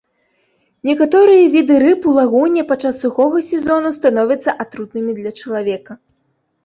Некаторыя віды рыб у лагуне падчас сухога сезону становяцца атрутнымі для чалавека.